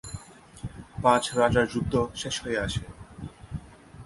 পাঁচ রাজার যুদ্ধ শেষ হয়ে আসে।